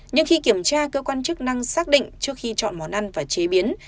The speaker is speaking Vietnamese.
nhưng khi kiểm tra cơ quan chức năng xác định trước khi chọn món ăn và chế biến